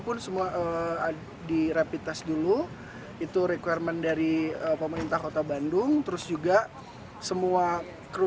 pun semua ada di rapid test dulu itu requirement dari pemerintah kota bandung terus juga semua kru